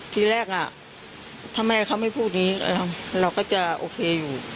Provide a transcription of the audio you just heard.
ทีแรกถ้าแม่เขาไม่พูดนี้เราก็จะโอเคอยู่